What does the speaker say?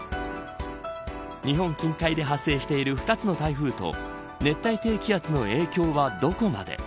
日本近海で発生している２つの台風と熱帯低気圧の影響はどこまで。